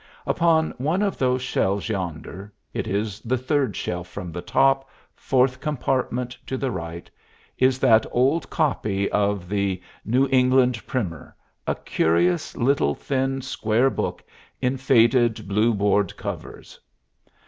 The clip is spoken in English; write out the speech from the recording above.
Upon one of those shelves yonder it is the third shelf from the top, fourth compartment to the right is that old copy of the "New England Primer," a curious little, thin, square book in faded blue board covers.